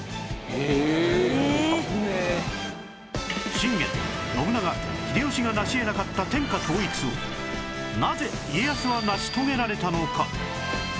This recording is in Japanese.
信玄信長秀吉がなし得なかった天下統一をなぜ家康は成し遂げられたのか？